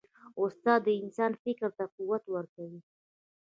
استاد د انسان فکر ته قوت ورکوي.